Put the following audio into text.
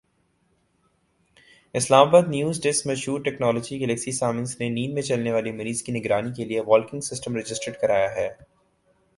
اسلام آبادنیو زڈیسک مشہور ٹیکنالوجی گلیکسی سامسنگ نے نیند میں چلنے والے مریض کی نگرانی کیلئے والکنگ سسٹم رجسٹرڈ کرایا ہے